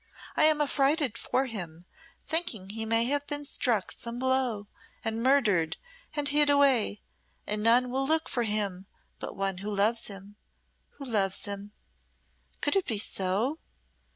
I am affrighted for him, thinking he may have been struck some blow, and murdered, and hid away; and none will look for him but one who loves him who loves him. Could it be so?